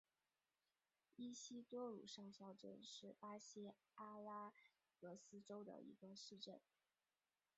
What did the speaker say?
伊西多鲁少校镇是巴西阿拉戈斯州的一个市镇。